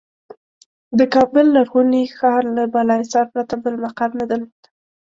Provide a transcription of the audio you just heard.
د کابل لرغوني ښار له بالاحصار پرته بل مقر نه درلود.